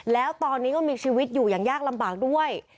แล้วตอนนี้ก็มีชีวิตอยู่อย่างยากลำบากด้วย